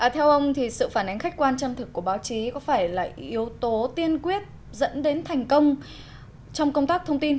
theo ông thì sự phản ánh khách quan chân thực của báo chí có phải là yếu tố tiên quyết dẫn đến thành công trong công tác thông tin